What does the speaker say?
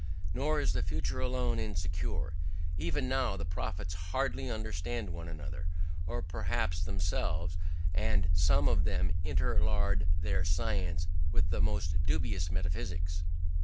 Nor is the future alone insecure: even now the prophets hardly understand one another, or perhaps themselves; and some of them interlard their science with the most dubious metaphysics.